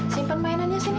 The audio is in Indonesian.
simpan mainannya sini